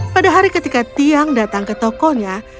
pada hari ketika tiang datang ke tokonya